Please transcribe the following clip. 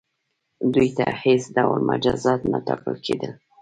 دوی ته هیڅ ډول مجازات نه ټاکل کیدل.